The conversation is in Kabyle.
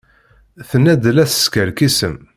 Tenna-d la teskerkisem.